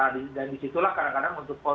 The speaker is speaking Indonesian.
dan disitulah kadang kadang